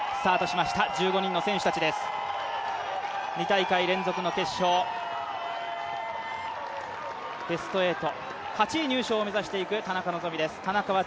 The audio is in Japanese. ２大会連続の決勝、ベスト８、８位入賞を目指していく田中希実です。